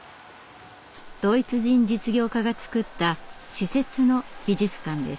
ドイツ人実業家が造った私設の美術館です。